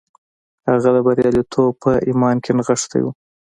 د هغه برياليتوب په ايمان کې نغښتی و.